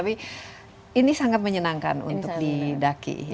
tapi ini sangat menyenangkan untuk didaki